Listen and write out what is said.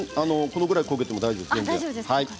このぐらい焦げても大丈夫ですよ。